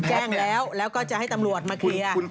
แจ้งแล้วแล้วก็จะให้ตำรวจมาเคลียร์